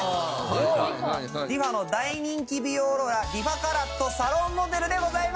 リファの大人気美容ローラーリファカラットサロンモデルでございます！